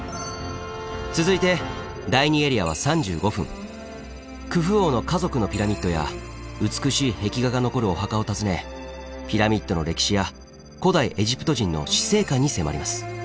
続いてクフ王の家族のピラミッドや美しい壁画が残るお墓を訪ねピラミッドの歴史や古代エジプト人の死生観に迫ります。